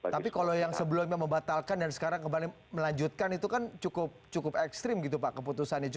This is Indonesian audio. tapi kalau yang sebelumnya membatalkan dan sekarang kembali melanjutkan itu kan cukup ekstrim gitu pak keputusannya